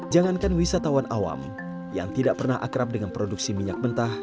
jangankan wisatawan awam yang tidak pernah akrab dengan produksi minyak mentah